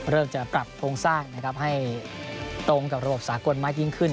เริ่มจะกลับพงศาสตร์ให้ตรงกับระบบสากลมากยิ่งขึ้น